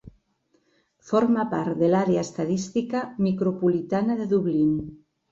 Forma part de l'Àrea Estadística Micropolitana de Dublin.